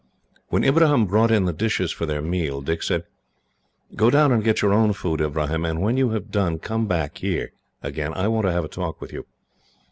When Ibrahim brought in the dishes for their meal, Dick said: "Go down and get your own food, Ibrahim, and when you have done come back here again. I want to have a talk with you."